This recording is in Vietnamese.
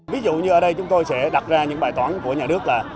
ví dụ như ở đây chúng tôi sẽ đặt ra những bài toán của nhà nước là